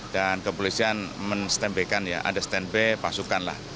dan kepolisian men standby kan ya ada standby pasukan lah